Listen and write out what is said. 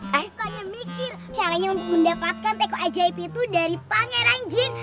aku hanya mikir caranya untuk mendapatkan teko ajaib itu dari pangeran jin